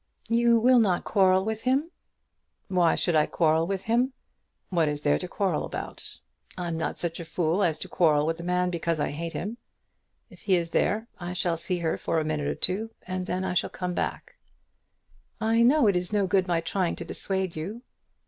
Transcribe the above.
"You will not quarrel with him?" "Why should I quarrel with him? What is there to quarrel about? I'm not such a fool as to quarrel with a man because I hate him. If he is there I shall see her for a minute or two, and then I shall come back." "I know it is no good my trying to dissuade you."